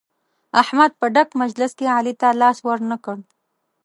احمد په ډک مجلس کې علي ته لاس ور نه کړ.